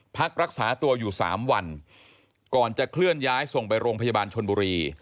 พักรักษาตัวอยู่๓วันก่อนจะเคลื่อนย้ายส่งไปโรงพยาบาลชนบุรี